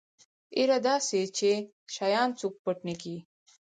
يره دا اسې چې شيان څوک پټ نکي.